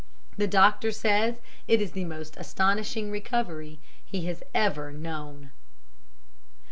The doctor says it is the most astonishing recovery he has ever known.'